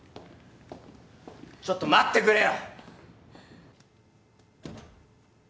ちょっと待ってくれよ！